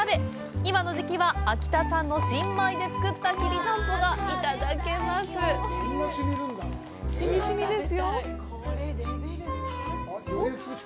今の時期は、秋田産の新米で作ったきりたんぽがいただけます。